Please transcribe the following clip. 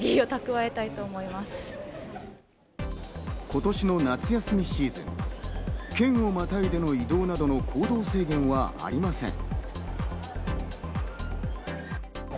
今年の夏休みシーズン、県をまたいでの移動などの行動制限はありません。